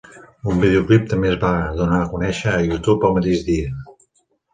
Un videoclip també es va donar a conèixer a YouTube el mateix dia.